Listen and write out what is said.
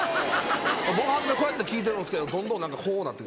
僕初めこうやって聞いてるんですけどどんどん何かこうなって。